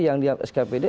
yang di skpd